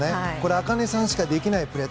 茜さんしかできないプレー。